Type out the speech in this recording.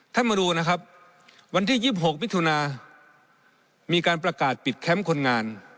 มาดูนะครับวันที่๒๖มิถุนามีการประกาศปิดแคมป์คนงาน